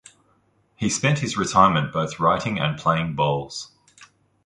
He spent his retirement both writing and playing bowls.